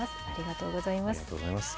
ありがとうございます。